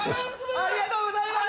ありがとうございます！